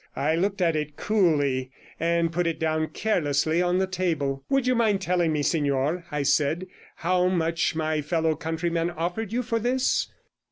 I looked at it coolly, and put it down carelessly on the table. "Would you mind telling me, Signor," I said, "how much my fellow countryman offered you for this?"